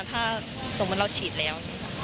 ถ้าสมมุติเราฉีดแล้ว